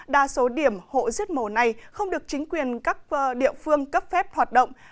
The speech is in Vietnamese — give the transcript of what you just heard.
đa số điểm hộ giết mổ này không được chính quyền các địa phương cấp phép hoạt động